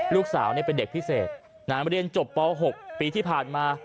ลูกสาวเป็นเด็กพิเศษเรียนจบป๖ปีที่ผ่านมา